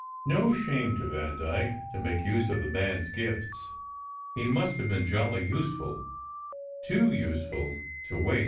No shame to Vandyke to make use of the man s gifts. He must have been jolly useful too useful to waste."